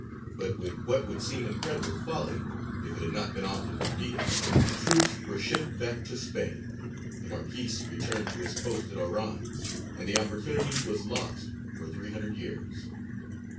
But, with what would seem incredible folly, if it had not been often repeated, the troops were shipped back to Spain, the Marquis returned to his post at Oran, and the opportunity was lost for three hundred years.